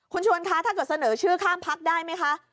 คุณชวนคะถ้าเกิดเสนอชื่อข้ามพักได้ไหมคะ